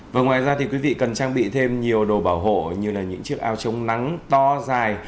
và ngoài ra thì quý vị cần trang bị thêm nhiều đồ bảo hộ như là những chiếc áo chống nắng to dài